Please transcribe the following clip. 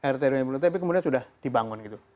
rtrm belum ada tapi kemudian sudah dibangun